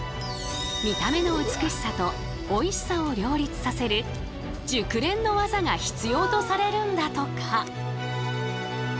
見た目の美しさとおいしさを両立させる熟練の技が必要とされるんだとか。